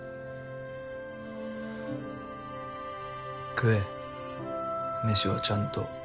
食え飯はちゃんと。